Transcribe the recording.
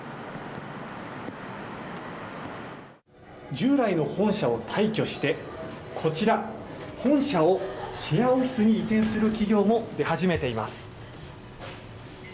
従来の本社を退去して、こちら、本社をシェアオフィスに移転する企業も出始めています。